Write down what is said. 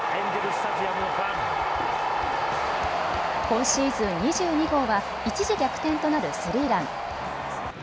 今シーズン２２号は一時、逆転となるスリーラン。